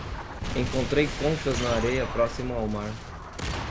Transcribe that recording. Encontrei conchas na areia próxima ao mar